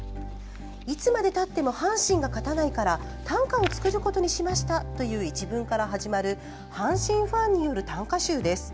「いつまでたっても阪神が勝たないから短歌を作ることにしました。」という一文から始まる阪神ファンによる短歌集です。